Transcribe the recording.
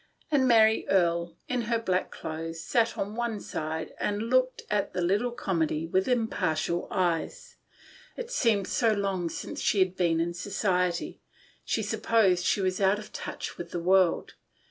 And Mary Erie, in her black clothes, sat on one side and looked at the little comedy with impartial eyes. It seemed so long since she had been in society ; she supposed she was out of touch with the world.